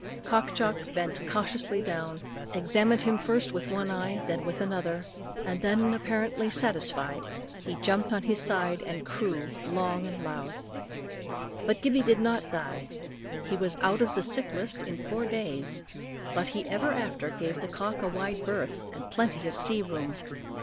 Cock Jock bent cautiously down, examined him first with one eye then with another, and then, apparently satisfied, he jumped on his side and crew loud and long. But Gibbey did not die. He was out of the sick list in four days; but he ever after gave the cock a wide berth, and plenty of sea room.